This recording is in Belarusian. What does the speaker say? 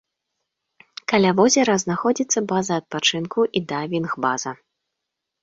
Каля возера знаходзіцца база адпачынку і дайвінг-база.